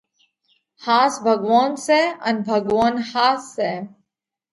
ۿاس ڀڳوونَ سئہ ان ڀڳوونَ ۿاس سئہ۔